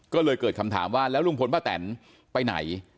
ก็เลยเกิดคำถามว่าแล้วลุงพลป้าแตนไปไหน